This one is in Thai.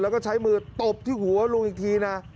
แล้วก็ใช้มือตบที่หัวลุงอีกทีนะ